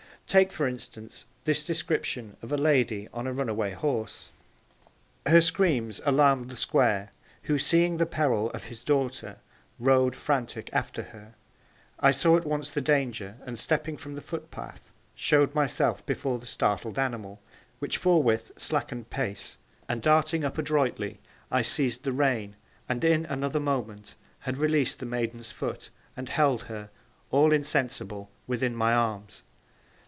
Take, for instance, this description of a lady on a runaway horse: Her screams alarmed the Squire, who seeing the peril of his daughter, rode frantic after her. I saw at once the danger, and stepping from the footpath, show'd myself before the startled animal, which forthwith slackened pace, and darting up adroitly, I seized the rein, and in another moment, had released the maiden's foot, and held her, all insensible, within my arms.